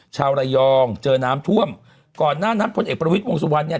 ชาวระยองเจอน้ำท่วมก่อนหน้านั้นพลเอกประวิทย์วงสุวรรณเนี่ย